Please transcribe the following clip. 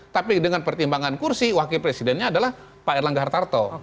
tapi dengan pertimbangan kursi wakil presidennya adalah pak erlangga hartarto